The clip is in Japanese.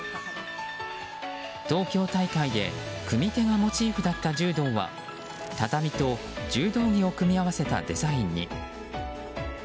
東京大会で組み手がモチーフだった柔道は畳と柔道着を組み合わせたデザインに。